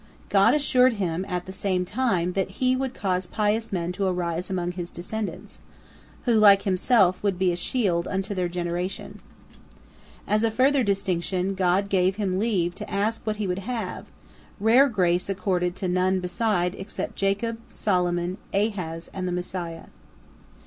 God assured him at the same time that He would cause pious men to arise among his descendants, who, like himself, would be a shield unto their generation. As a further distinction, God gave him leave to ask what he would have, rare grace accorded to none beside, except Jacob, Solomon, Ahaz, and the Messiah.